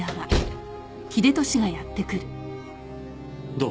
どう？